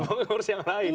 mungkin ngurus yang lain